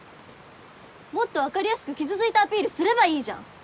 もっと分かりやすく傷ついたアピールすればいいじゃん！